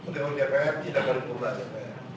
maka kalau di apm tidak boleh tumpah ya kan